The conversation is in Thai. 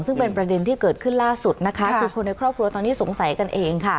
ซึ่งเป็นประเด็นที่เกิดขึ้นล่าสุดนะคะคือคนในครอบครัวตอนนี้สงสัยกันเองค่ะ